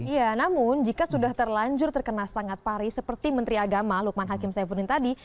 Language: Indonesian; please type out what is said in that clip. ya namun jika sudah terlanjur terkena sangat pari seperti menteri agama lukman hakim saifuddin tadi